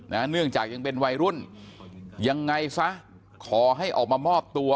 เนื่องจากยังเป็นวัยรุ่นยังไงซะขอให้ออกมามอบตัว